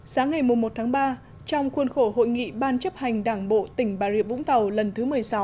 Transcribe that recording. sáng ngày một tháng ba trong khuôn khổ hội nghị ban chấp hành đảng bộ tỉnh bà rịa vũng tàu lần thứ một mươi sáu